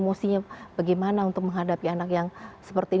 emosinya bagaimana untuk menghadapi anak yang seperti ini